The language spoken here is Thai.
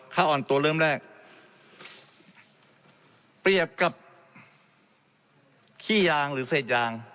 อ่อนตัวเริ่มแรกเปรียบกับขี้ยางหรือเศษยาง